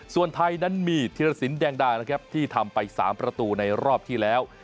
ส่วนไทยนั้นมีธิรศิลป์แดงดาที่ทำไป๓ประตูในรอบที่แล้ว